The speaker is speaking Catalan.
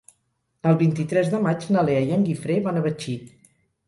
El vint-i-tres de maig na Lea i en Guifré van a Betxí.